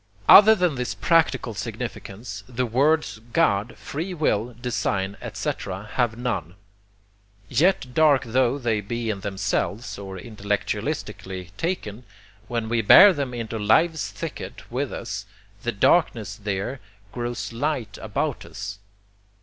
Other than this practical significance, the words God, free will, design, etc., have none. Yet dark tho they be in themselves, or intellectualistically taken, when we bear them into life's thicket with us the darkness THERE grows light about us.